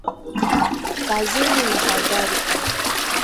kazini na kadhalika